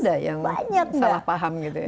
ada yang salah paham gitu ya